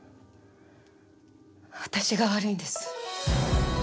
私が悪いんです。